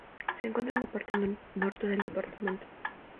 Se encuentra en el parte norte del departamento.